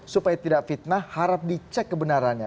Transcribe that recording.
supaya tidak fitnah harap dicek kebenarannya